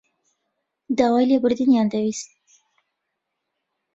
داوای لێبوردنیان دەویست.